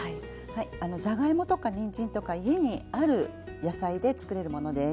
じゃがいもとかにんじんとか家にある野菜でつくれるものです。